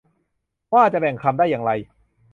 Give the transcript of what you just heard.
ว่าจะแบ่งคำได้อย่างไร